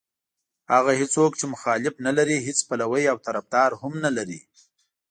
هغه څوک چې مخالف نه لري هېڅ پلوی او طرفدار هم نه لري.